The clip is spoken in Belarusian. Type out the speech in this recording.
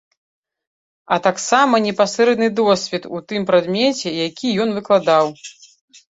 А таксама непасрэдны досвед у тым прадмеце, які ён выкладаў.